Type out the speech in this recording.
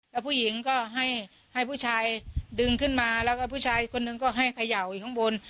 แล้วผู้หญิงก็ให้ผู้ชายดึงขึ้นมาแล้วก็ผู้ชายคนนึงก็ให้เขย่าอีกข้างบน